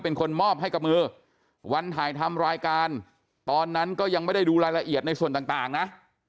เป็นคนมอบให้กับมือวันถ่ายทำรายการตอนนั้นก็ยังไม่ได้ดูรายละเอียดในส่วนต่างนะ